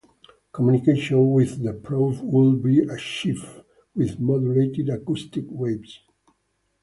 Communication with the probe would be achieved with modulated acoustic waves.